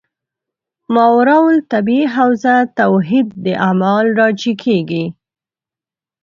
ماورا الطبیعي حوزه توحید اعمال راجع کېږي.